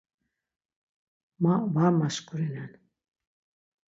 Ma var maşǩurinen.